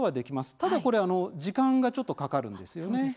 ただ、これ時間がちょっとかかるんです。